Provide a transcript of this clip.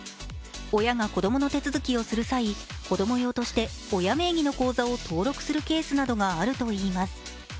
親が子供の手続きをする際、子供用として親名義の口座を登録するケースなどがあるといいます。